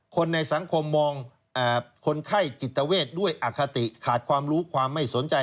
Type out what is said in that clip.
คนในสังคมมองคนไข้จิตเวทด้วยอคติขาดความรู้ความไม่สนใจ